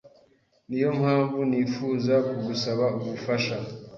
niyo mpamvu nifuza kugusaba ubufasha”